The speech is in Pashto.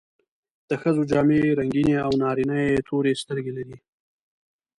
د ښځو جامې رنګینې او نارینه یې تورې سترګې لري.